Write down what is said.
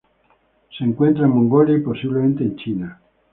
Se encuentran en Mongolia, y posiblemente en China.